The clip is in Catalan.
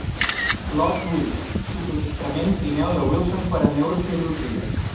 Lot huit: subministrament trineu de Wilson per a Neurocirurgia.